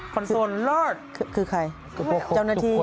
โซนรอดคือใครเจ้าหน้าที่